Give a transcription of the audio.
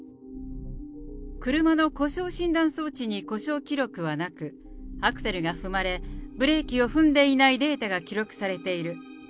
車の故障診断装置に故障記録はなく、アクセルが踏まれ、ブレーキを踏んでいないデータが記録されている。